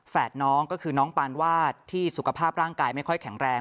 น้องก็คือน้องปานวาดที่สุขภาพร่างกายไม่ค่อยแข็งแรง